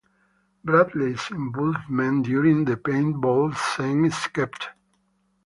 Bradley's involvement during the paintball scene is kept.